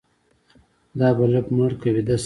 دا بلپ مړ که ويده شه.